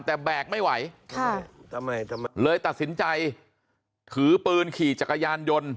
แต่แบกไม่ไหวเลยตัดสินใจถือปืนขี่จักรยานยนต์